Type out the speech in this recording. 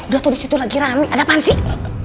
udah tuh disitu lagi rame ada apaan sih